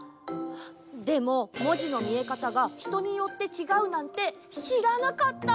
でも文字の見え方が人によってちがうなんて知らなかった！